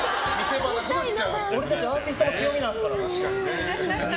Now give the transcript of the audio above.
俺たちアーティストの強みなんですから。